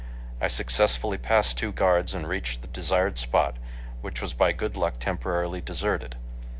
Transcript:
I successfully passed two guards, and reached the desired spot, which was by good luck temporarily deserted.